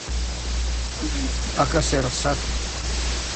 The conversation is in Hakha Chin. A ka serhsat.